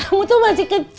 luar biasa baby